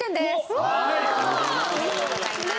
おめでとうございます。